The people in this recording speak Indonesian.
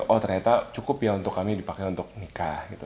oh ternyata cukup ya untuk kami dipakai untuk nikah gitu